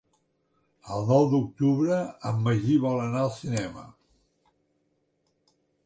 El nou d'octubre en Magí vol anar al cinema.